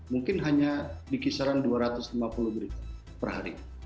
mungkin hanya di kisaran dua ratus lima puluh berita per hari